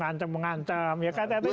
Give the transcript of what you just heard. ngancam ngancam ya kan tadi